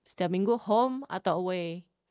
setiap minggu home atau away